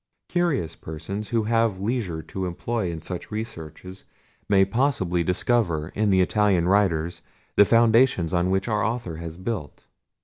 Curious persons, who have leisure to employ in such researches, may possibly discover in the Italian writers the foundation on which our author has built.